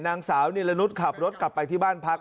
นางสาวนิรนุษย์ขับรถกลับไปที่บ้านพัก